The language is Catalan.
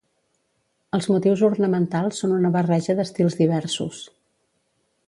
Els motius ornamentals són una barreja d'estils diversos.